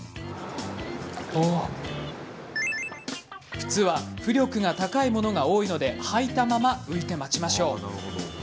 靴は浮力が高いものが多いので履いたまま浮いて待ちましょう。